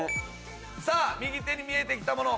さぁ右手に見えてきたもの